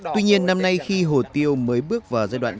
tuy nhiên năm nay khi hồ tiêu mới bước vào giai đoạn